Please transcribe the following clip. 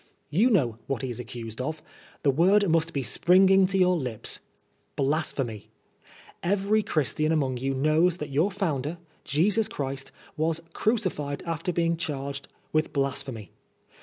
You know what he is accused of — the word must be springing to your lips — Blasphemy ! Every Christian among you knows that your founder, Jesus Christ, was crucified after being charged With blasphemy.